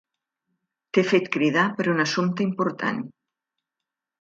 T'he fet cridar per un assumpte important.